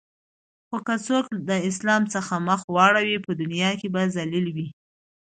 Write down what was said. خو که څوک د اسلام څخه مخ واړوی په دنیا کی به ذلیل وی